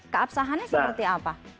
keabsahannya seperti apa